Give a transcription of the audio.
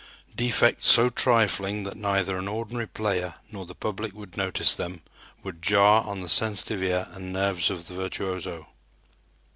Defects so trifling that neither an ordinary player nor the public would notice them, would jar on the sensitive ear and nerves of the virtuoso.